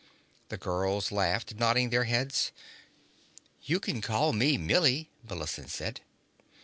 The girls laughed, nodding their heads. "You can call me Millie," Millicent said.